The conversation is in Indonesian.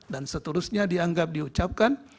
dan seterusnya dianggap diucapkan